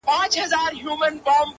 نه په ژبه پوهېدله د مېږیانو،